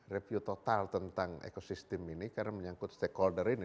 review total tentang ekosistem ini karena menyangkut stakeholder ini